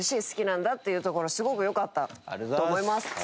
好きなんだ」って言うところすごくよかったと思います。